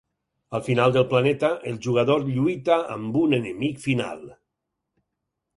Al final del planeta, el jugador lluita amb un enemic final.